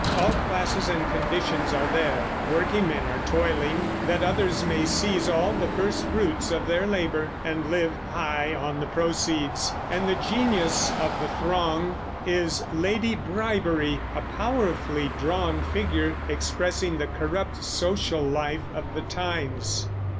All classes and conditions are there; workingmen are toiling that others may seize all the first fruits of their labor and live high on the proceeds; and the genius of the throng is Lady Bribery, a powerfully drawn figure, expressing the corrupt social life of the times.